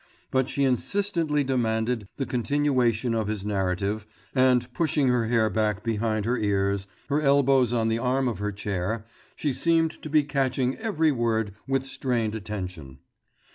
But she insistently demanded the continuation of his narrative and pushing her hair back behind her ears, her elbows on the arm of her chair, she seemed to be catching every word with strained attention.